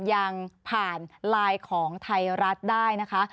ยังผ่านไลน์ของไทยรัฐได้นะคะ